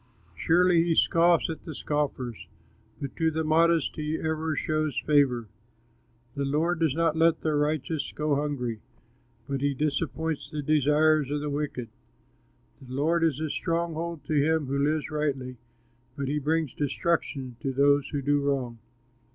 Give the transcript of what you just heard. Surely he scoffs at the scoffers, But to the modest he ever shows favor. The Lord does not let the righteous go hungry, But he disappoints the desire of the wicked. The Lord is a stronghold to him who lives rightly, But he brings destruction to those who do wrong.